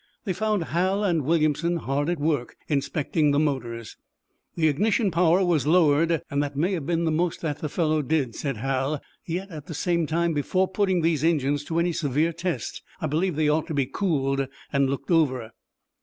They found Hal and Williamson hard at work, inspecting the motors. "The ignition power was lowered, and that may have been the most that the fellow did," said Hal. "Yet, at the same time, before putting these engines to any severe test, I believe they ought to be cooled and looked over."